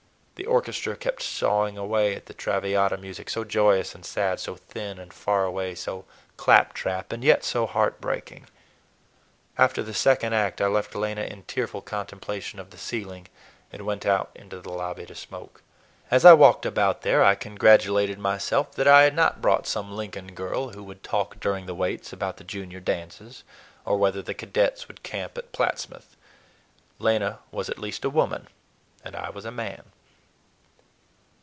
The orchestra kept sawing away at the "Traviata" music, so joyous and sad, so thin and far away, so clap trap and yet so heart breaking. After the second act I left Lena in tearful contemplation of the ceiling, and went out into the lobby to smoke. As I walked about there I congratulated myself that I had not brought some Lincoln girl who would talk during the waits about the Junior dances, or whether the cadets would camp at Plattsmouth. Lena was at least a woman, and I was a man.